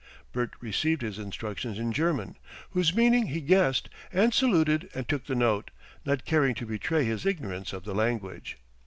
Bert received his instructions in German, whose meaning he guessed, and saluted and took the note, not caring to betray his ignorance of the language.